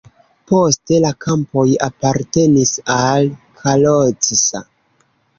Poste la kampoj apartenis al Kalocsa.